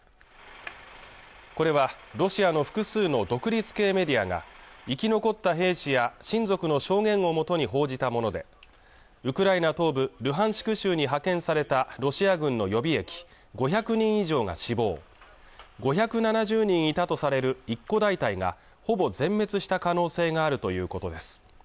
これはロシアの複数の独立系メディアが生き残った兵士や親族の証言をもとに報じたものでウクライナ東部ルハンシク州に派遣されたロシア軍の予備役５００人以上が死亡５７０人いたとされる一個大隊がほぼ全滅した可能性があるということです